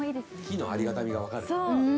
火のありがたみがわかるよね。